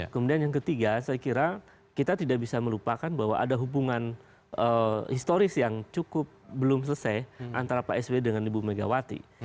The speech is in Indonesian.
kemudian yang ketiga saya kira kita tidak bisa melupakan bahwa ada hubungan historis yang cukup belum selesai antara pak sby dengan ibu megawati